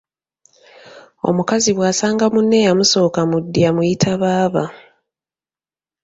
Omukazi bw’asanga munne eyamusooka mu ddya amuyita baaba.